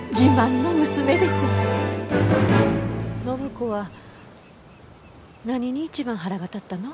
暢子は何に一番腹が立ったの？